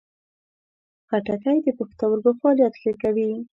خټکی د پښتورګو فعالیت ښه کوي.